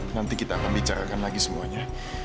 nanti kita akan bicarakan lagi semuanya